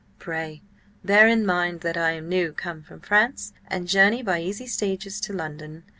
Pray, bear in mind that I am new come from France and journey by easy stages to London.